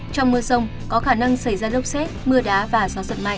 trong mưa sông có khả năng xảy ra lốc xét mưa đá và gió giật mạnh